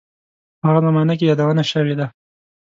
په هغه زمانه کې یې یادونه شوې ده.